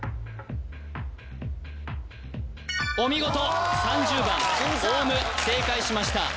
お見事３０番正解しました